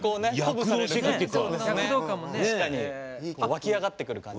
沸き上がってくる感じ。